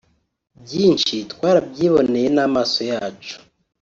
byinshi twarabyinoneye n’ amaso yacu